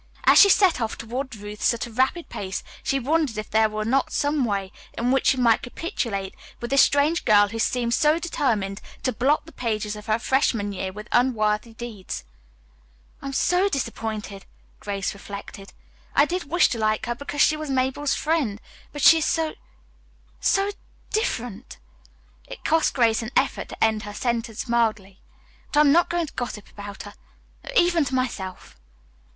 As she set off toward Ruth's at a rapid pace she wondered if there was not some way in which she might capitulate with this strange girl who seemed so determined to blot the pages of her freshman year with unworthy deeds. "I am so disappointed," Grace reflected. "I did wish to like her because she was Mabel's friend, but she is so so different." It cost Grace an effort to end her sentence mildly. "But I'm not going to gossip about her, even to myself."